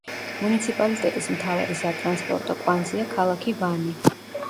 მუნიციპალიტეტის მთავარი სატრანსპორტო კვანძია ქალაქი ვანი.